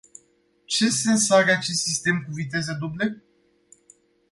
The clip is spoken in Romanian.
Ce sens are acest sistem cu viteze duble?